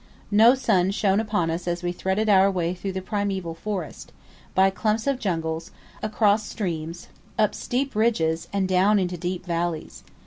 No sun shone upon us as we threaded our way through the primeval forest, by clumps of jungle, across streams, up steep ridges, and down into deep valleys.